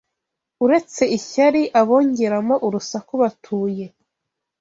uretse ishyari abongeramo urusaku batuye